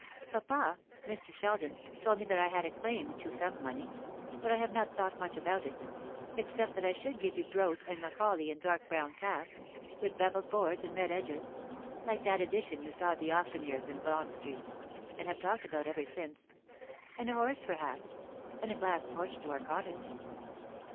"Papa Mr. Sheldon told me that I had a claim to some money; but I have not thought much about it, except that I should give you Grote and Macaulay in dark brown calf, with bevelled boards and red edges, like that edition you saw at the auctioneer's in Bond Street, and have talked about ever since; and a horse, perhaps; and a glass porch to our cottage."